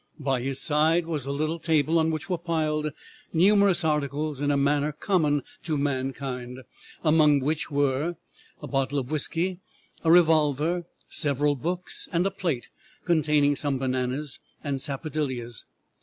By his side was a little table on which were piled numerous articles in a manner common to mankind, among which were a bottle of whiskey, a revolver, several books, and a plate containing some bananas and sapodillias.